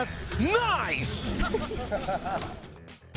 ナイス。